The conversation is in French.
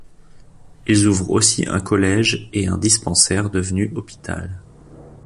Ils ouvrent aussi un collège et un dispensaire devenu hôpital.